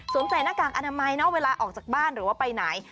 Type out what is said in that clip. ใส่หน้ากากอนามัยเนอะเวลาออกจากบ้านหรือว่าไปไหน